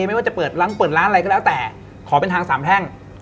ไม่ว่าจะเปิดร้านเปิดร้านอะไรก็แล้วแต่ขอเป็นทางสามแพร่ง